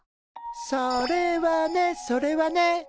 それはねそれはね。